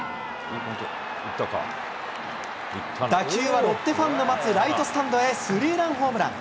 打球はロッテファンの待つライトスタンドへ、スリーランホームラン。